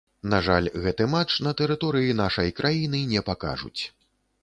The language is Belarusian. На жаль, гэты матч на тэрыторыі нашай краіны не пакажуць.